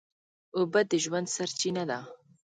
اوبه د ژوند سرچینه ده.